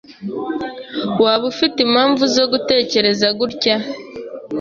Waba ufite impamvu zo gutekereza gutya?